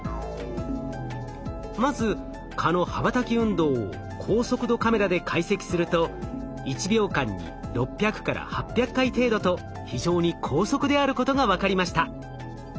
まず蚊の羽ばたき運動を高速度カメラで解析すると１秒間に６００８００回程度と非常に高速であることが分かりました。